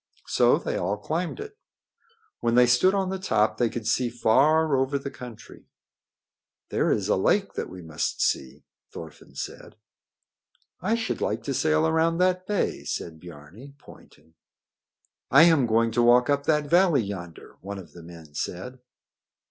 So they all climbed it. When they stood on the top they could see far over the country. "There is a lake that we must see," Thorfinn said. "I should like to sail around that bay," said Biarni, pointing. "I am going to walk up that valley yonder," one of the men said.